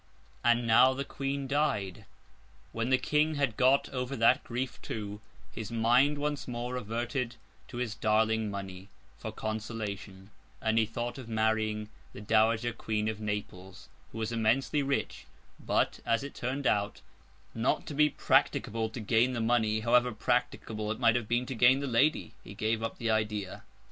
And now the Queen died. When the King had got over that grief too, his mind once more reverted to his darling money for consolation, and he thought of marrying the Dowager Queen of Naples, who was immensely rich: but, as it turned out not to be practicable to gain the money however practicable it might have been to gain the lady, he gave up the idea.